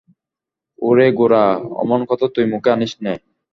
ওরে গোরা, অমন কথা তুই মুখে আনিস নে।